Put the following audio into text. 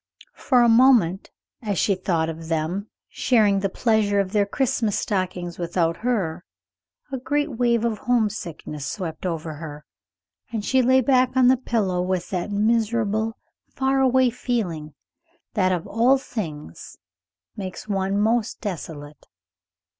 For a moment, as she thought of them, sharing the pleasure of their Christmas stockings without her, a great wave of homesickness swept over her, and she lay back on the pillow with that miserable, far away feeling that, of all things, makes one most desolate.